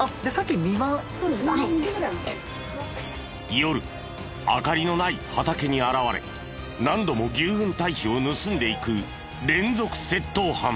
夜明かりのない畑に現れ何度も牛ふん堆肥を盗んでいく連続窃盗犯。